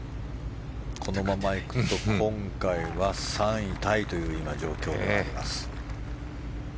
このまま行くと今回は３位タイという状況ではあります。